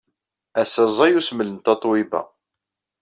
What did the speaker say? Ass-a, ẓẓay usmel n Tatoeba.